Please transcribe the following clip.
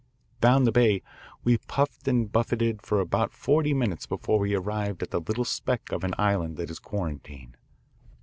Down the bay we puffed and buffeted for about forty minutes before we arrived at the little speck of an island that is Quarantine.